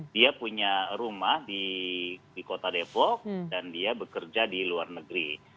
dia punya rumah di kota depok dan dia bekerja di luar negeri